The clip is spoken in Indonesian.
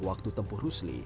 waktu tempuh rusli